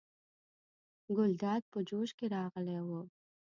ګلداد په جوش کې راغلی و.